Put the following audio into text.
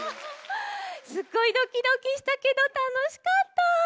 すっごいドキドキしたけどたのしかった。